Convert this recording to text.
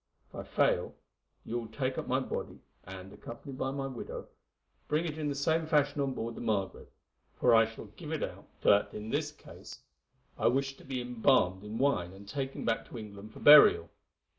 If I fail, you will take up my body, and, accompanied by my widow, bring it in the same fashion on board the Margaret, for I shall give it out that in this case I wish to be embalmed in wine and taken back to England for burial.